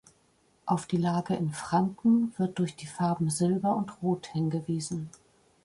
Auf die Lage in Franken wird durch die Farben Silber und Rot hingewiesen.